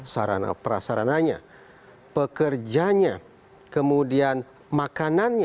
sarana prasarananya pekerjanya kemudian makanannya